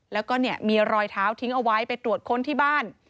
แล้วก็เนี่ยมีรอยเท้าทิ้งเอาไว้ไปตรวจค้นที่บ้าน